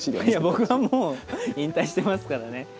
いや僕はもう引退してますからね。